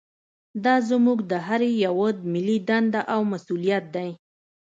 دا زموږ د هر یوه ملي دنده او مسوولیت دی